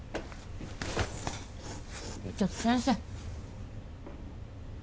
ちょっと先生